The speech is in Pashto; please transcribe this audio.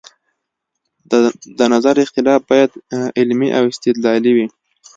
د نظر اختلاف باید علمي او استدلالي وي